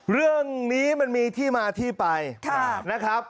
เรื่องนี้มันมีที่มาที่ไปนะครับ